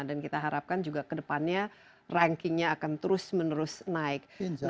dan kita harapkan juga ke depannya rankingnya akan terus menerus naik